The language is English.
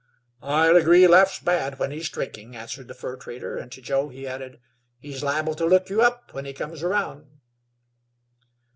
"I'll agree Leff's bad when he's drinkin'," answered the fur trader, and to Joe he added, "He's liable to look you up when he comes around."